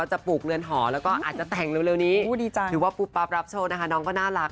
เหมือนนิดเดียวกลัวขึ้นขาด